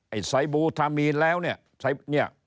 ไอ้ไซบูทามีนแล้วเนี่ย